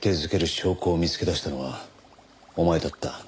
証拠を見つけ出したのはお前だった。